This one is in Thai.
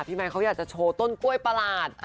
ไมค์เขาอยากจะโชว์ต้นกล้วยประหลาด